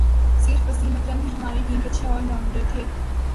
صرف وسیم اکرم ہی ہماری ٹیم کے اچھے آل راؤنڈر تھے